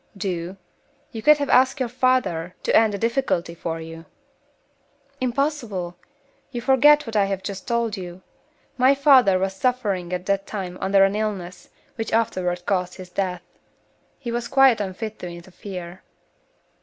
"Do? You could have asked your father to end the difficulty for you." "Impossible! You forget what I have just told you. My father was suffering at that time under the illness which afterward caused his death. He was quite unfit to interfere."